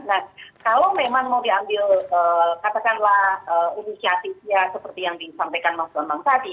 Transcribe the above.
nah kalau memang mau diambil katakanlah inisiatifnya seperti yang disampaikan mas bambang tadi